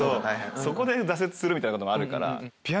そこで挫折するみたいなこともあるから。